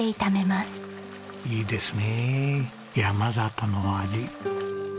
いいですね山里の味。